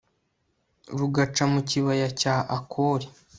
rugaca mu kibaya cya akori